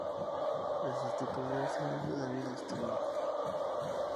Le sustituyó ese año David Stern.